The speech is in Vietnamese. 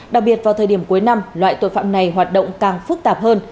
đặc biệt vào thời điểm cuối năm loại tội phạm này hoạt động càng phức tạp hơn